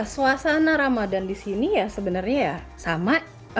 suasana ramadan di sini ya sebenarnya ya sama